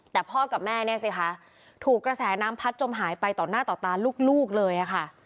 แต่พ่อกับแม่เนี่ยสิคะถูกกระแสน้ำพัดจมหายไปต่อหน้าต่อตาลูกเลยค่ะ